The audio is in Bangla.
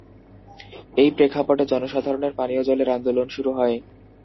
এই প্রেক্ষাপটে জনসাধারণের পানীয় জলের আন্দোলন শুরু হয়।